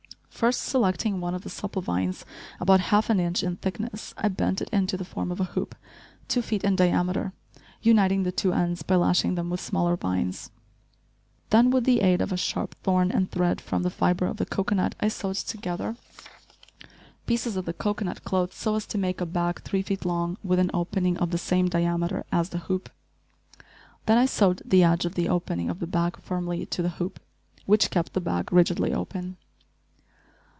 First selecting one of the supple vines, about half an inch in thickness, I bent it into the form of a hoop, two feet in diameter, uniting the two ends by lashing them with smaller vines. Then, with the aid of a sharp thorn and thread from the fibre of the cocoanut, I sewed together pieces of the cocoanut cloth so as to make a bag three feet long, with an opening of the same diameter as the hoop. Then I sewed the edge of the opening of the bag firmly to the hoop, which kept the bag rigidly open.